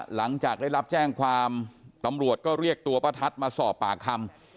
หลังจากได้รับแจ้งความตำรวจก็เรียกตัวป้าทัศน์มาสอบปากคำ